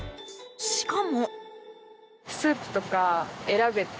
しかも。